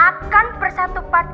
akan bersatu padu